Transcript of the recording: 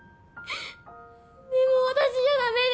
でも私じゃ駄目で。